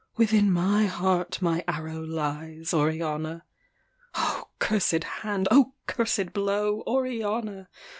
Within my heart my arrow lies, Oriana. O cursed hand! O cursed blow! Oriana!